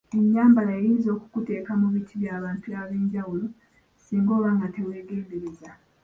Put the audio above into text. Ennyambala yo eyinza okukuteeka mu biti by'abantu ab‘enjawulo singa oba nga teweegenderezza.